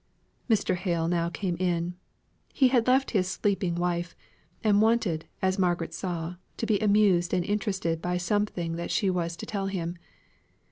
Mr. Hale now came in. He had left his sleeping wife; and wanted, as Margaret saw, to be amused and interested by something that she was to tell him.